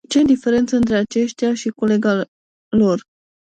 Ce diferență între aceștia și colega lor.